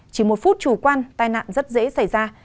chỉ một phút chủ quan tai nạn rất dễ xảy ra